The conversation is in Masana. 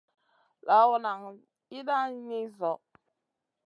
Lawna nan yiidan ni zo.